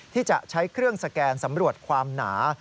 ที่จะใช้เครื่องสแกนสำรวจความหนา